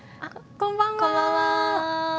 こんばんは。